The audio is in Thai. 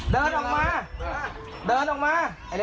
เดินออกมาเดินออกมา